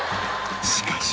しかし